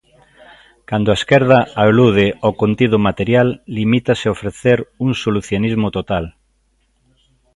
Cando a esquerda alude ao contido material, limítase a ofrecer un solucionismo total.